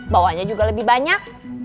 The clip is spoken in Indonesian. bawanya juga lebih banyak